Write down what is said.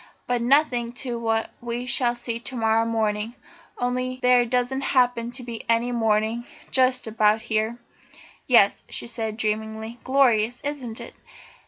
But nothing to what we shall see to morrow morning only there doesn't happen to be any morning just about here." "Yes," she said dreamily, "glorious, isn't it?